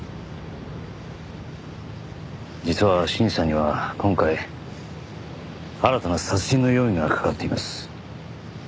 実は信二さんには今回新たな殺人の容疑がかかっています。